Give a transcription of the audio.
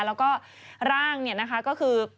แล้วก็ร่างเนี่ยนะคะก็คือ